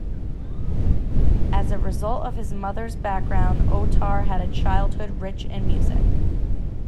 As a result of his mother's background Otar had a childhood rich in music.